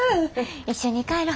一緒に帰ろ。